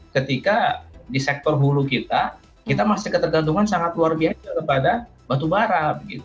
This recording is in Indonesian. ketika di sektor hulu kita kita masih ketergantungan sangat luar biasa kepada batu bara